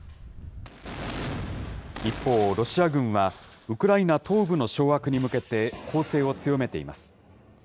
一方、ロシア軍はウクライナ東部の掌握に向けて、攻勢を強めています。